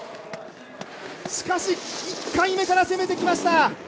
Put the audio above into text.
しかし１回目から攻めてきました。